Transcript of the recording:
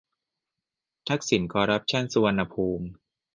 ทักษิณคอรัปชันสุวรรณภูมิ